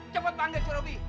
cepet panggil si robi